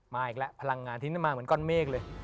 อีกแล้วพลังงานที่นี่มาเหมือนก้อนเมฆเลย